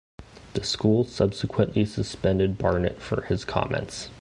The school subsequently suspended Barnett for his comments.